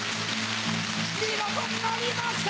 見事のりました！